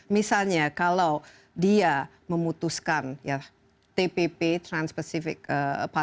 misalnya kalau dia memutuskan ya tpp trans pacific part